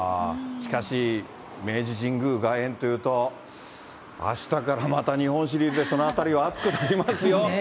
しかし、明治神宮外苑というと、あしたから、また日本シリーズで、その辺りは熱くなりますよ。